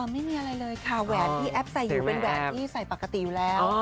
ไม่มีอะไรเลยค่ะแหวนที่แอปใส่อยู่เป็นแหวนที่ใส่ปกติอยู่แล้ว